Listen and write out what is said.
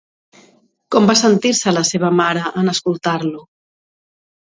Com va sentir-se la seva mare en escoltar-lo?